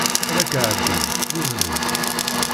Ad ak-ɛebbin, mezleg.